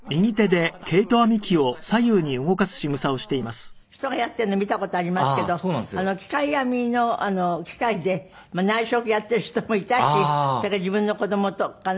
私は人がやってるの見た事ありますけど機械編みの機械で内職やってる人もいたしそれから自分の子供とかね